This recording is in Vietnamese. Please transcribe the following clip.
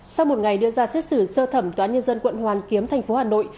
sau một ngày đưa ra xét xử sơ thẩm tòa nhân dân quận hoàn kiếm thành phố hà nội